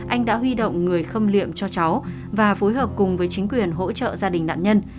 anh đã huy động người khâm liệm cho cháu và phối hợp cùng với chính quyền hỗ trợ gia đình nạn nhân